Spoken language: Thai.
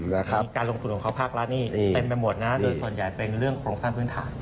การลงทุนของเขาภาครัฐนี่เต็มไปหมดนะโดยส่วนใหญ่เป็นเรื่องโครงสร้างพื้นฐาน